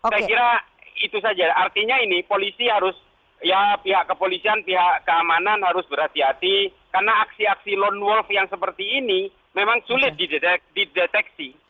saya kira itu saja artinya ini polisi harus ya pihak kepolisian pihak keamanan harus berhati hati karena aksi aksi lone wolf yang seperti ini memang sulit dideteksi